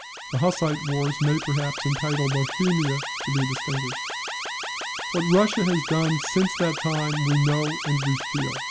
[The Hussite wars may, perhaps, entitle Bohemia to be distinguished.] What Russia has done since that time we know and we feel.